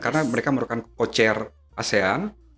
karena mereka merupakan co chair asean